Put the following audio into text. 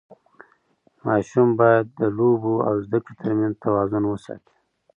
ماشوم باید د لوبو او زده کړې ترمنځ توازن وساتي.